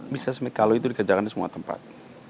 bisa kalau itu dikerjakan di semua tempat